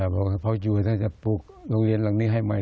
บอกครับเพราะอยู่แล้วจะปลูกโรงเรียนหลังนี้ให้ใหม่